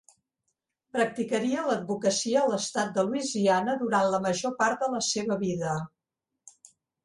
Practicaria l'advocacia a l'estat de Louisiana durant la major part de la seva vida.